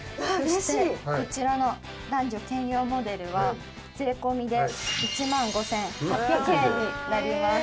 そしてこちらの男女兼用モデルは税込で１万５８００円になります。